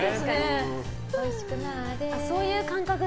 おいしいくなれ。